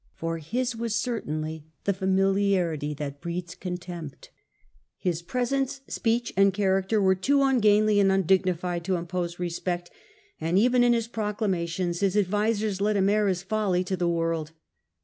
F or his was certainly the familiarity that breeds contempt ; people, his presence, speech, and character were too ungainly and undignified to impose respect ; and even in his pro clamations his advisers let him air his folly to the world.